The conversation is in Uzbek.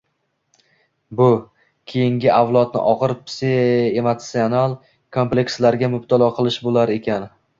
bu — keyingi avlodni og‘ir psixoemotsional komplekslarga mubtalo qilish bo‘lar ekan.